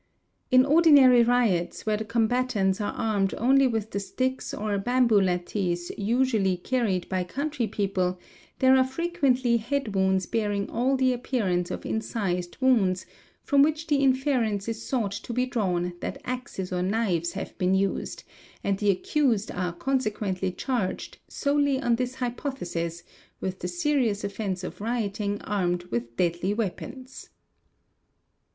In ordinary riots, where the combatants are armed a only with the sticks or bamboo lathis usually carried by country people, : there are frequently head wounds bearing all the appearance of incised / wounds, from which the inference is sought to be drawn that axes or knives have been used, and the accused are consequently charged, solely on this hypothesis, with the serious offence of rioting armed with deadly , 2.